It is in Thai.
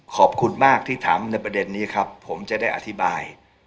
ขอบคุณมากที่ถามในประเด็นนี้ครับผมจะได้อธิบาย